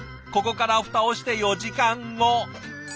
ここから蓋をして４時間後。